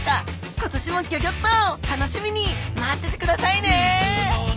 今年もギョギョッと楽しみに待っててくださいね